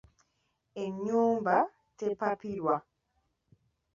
Ennyumba tepapirwa.